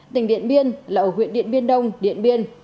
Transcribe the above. tỉnh điện biên là ở huyện điện biên đông điện biên